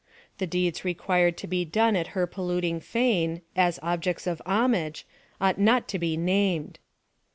The deeds required to be done at her pol lutin2^ fane, as acts of homage, ought not to be named.